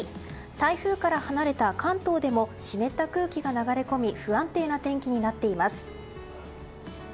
台風から離れた関東でも湿った空気が流れ込み不安定な天気になっています。